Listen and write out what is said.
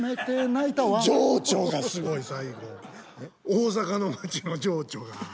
大阪の町の情緒が。